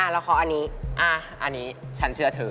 แล้วเขาอันนี้อันนี้ฉันเชื่อเธอ